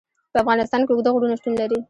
په افغانستان کې اوږده غرونه شتون لري.